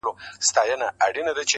رنګ به د پانوس نه وي تیاره به وي؛